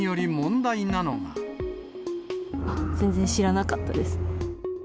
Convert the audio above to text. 全然知らなかったです。